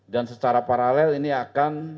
dan secara paralel ini akan